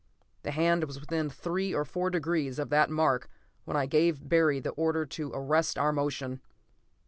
The hand was within three or four degrees of that mark when I gave Barry the order to arrest our motion.